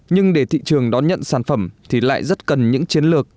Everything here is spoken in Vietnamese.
nhưng để thị trường đón nhận sản phẩm thì lại rất cần những chiến lược